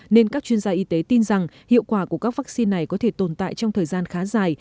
nên các chuyên gia y tế tin rằng hiệu quả của các vaccine này có thể tồn tại trong thời gian khá dài